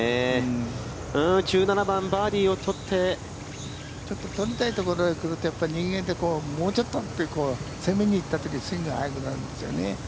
１７番、バーディーを取って、取りたいところへ来ると人間って、もうちょっとって攻めに行ったとき、スイングが速くなるんですよね。